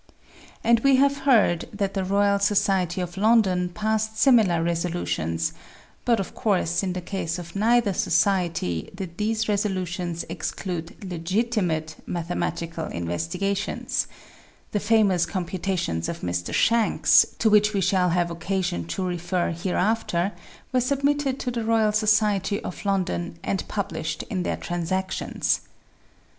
And we have heard that the Royal Society of London passed similar resolutions, but of course in the case of neither society did these resolutions exclude legitimate mathematical investi gations the famous computations of Mr. Shanks, to which we shall have occasion to refer hereafter, were sub mitted to the Royal Society of London and published in SQUARING THE CIRCLE II their Transactions.